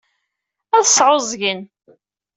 Ad sɛuẓẓgen.